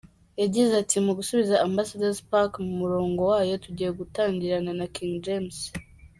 Yagize ati “Mu gusubiza Ambassador’s Park mu murongo wayo tugiye gutangirana na King James.